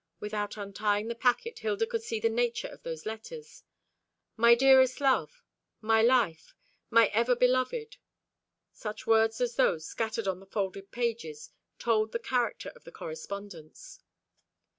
Without untying the packet Hilda could see the nature of those letters. "My dearest love," "My life," "My ever beloved." Such words as those scattered on the folded pages told the character of the correspondence.